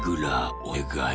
せいかい。